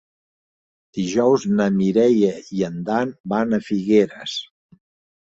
Dijous na Mireia i en Dan van a Figueres.